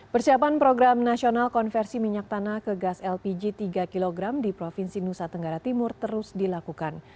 persiapan program nasional konversi minyak tanah ke gas lpg tiga kg di provinsi nusa tenggara timur terus dilakukan